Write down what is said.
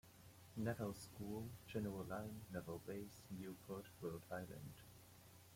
Naval School, General Line, Naval Base, Newport, Rhode Island.